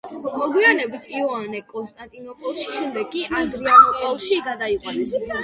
მოგვიანებით იოანე კონსტანტინოპოლში, შემდეგ კი ადრიანოპოლში გადაიყვანეს.